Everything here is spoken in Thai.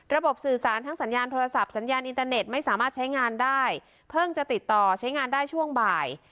สื่อสารทั้งสัญญาณโทรศัพท์สัญญาณอินเตอร์เน็ตไม่สามารถใช้งานได้เพิ่งจะติดต่อใช้งานได้ช่วงบ่าย